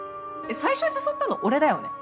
最初に誘ったの俺だよね？